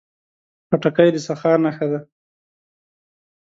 خټکی د سخا نښه ده.